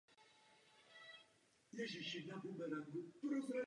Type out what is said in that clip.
Tento hormon je zakázaný kvůli nežádoucím účinkům všude kromě Spojených států.